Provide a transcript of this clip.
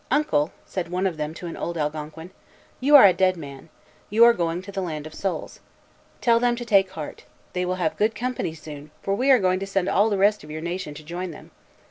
"Uncle," said one of them to an old Algonquin, "you are a dead man. You are going to the land of souls. Tell them to take heart: they will have good company soon, for we are going to send all the rest of your nation to join them.